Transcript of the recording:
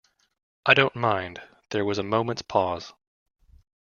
“I don’t mind.” There was a moment’s pause.